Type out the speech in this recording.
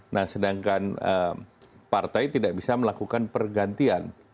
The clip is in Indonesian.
nah sedangkan partai tidak bisa melakukan pergantian